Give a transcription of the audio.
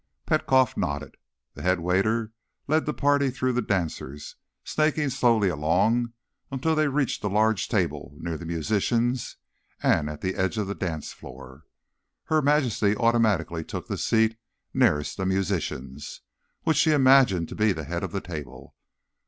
Petkoff nodded. The headwaiter led the party through the dancers, snaking slowly along until they reached a large table near the musicians and at the edge of the dance floor. Her Majesty automatically took the seat nearest the musicians, which she imagined to be the head of the table.